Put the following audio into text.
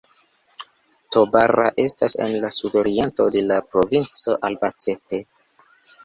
Tobarra estas en la sudoriento de la provinco Albacete.